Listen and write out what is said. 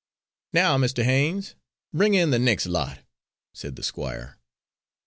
"Now, Mr. Haines, bring in the next lot," said the Squire.